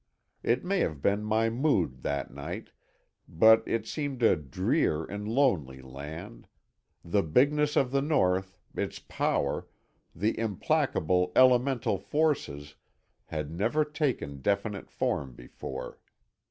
It may have been my mood, that night, but it seemed a drear and lonely land; the bigness of the North, its power, the implacable, elemental forces, had never taken definite form before.